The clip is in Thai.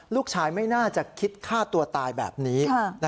ลูกชายไม่น่าจะคิดฆ่าตัวตายแบบนี้